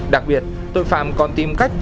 đặc biệt tội phạm còn tìm cách